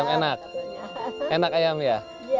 enak enak ayam ya